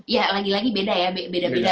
ya lagi lagi beda ya beda beda